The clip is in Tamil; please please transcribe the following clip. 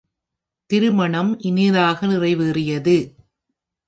திருமணம் இனிதாக நிறைவேறியது.